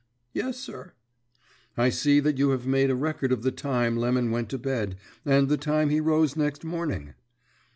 "Yes, sir." "I see that you have made a record of the time Lemon went to bed and the time he rose next morning."